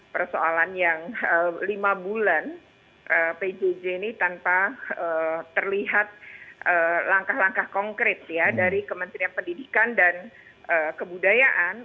persoalan yang lima bulan pjj ini tanpa terlihat langkah langkah konkret ya dari kementerian pendidikan dan kebudayaan